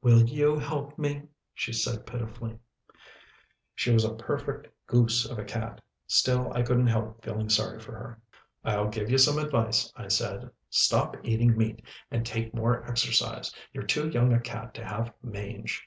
"Will you help me?" she said pitifully. She was a perfect goose of a cat, still I couldn't help feeling sorry for her. "I'll give you some advice," I said. "Stop eating meat, and take more exercise. You're too young a cat to have mange."